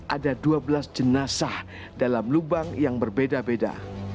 ada dua belas jenazah dalam lubang yang berbeda beda